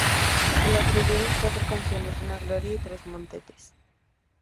Se le atribuyen cuatro canciones, un gloria y tres motetes.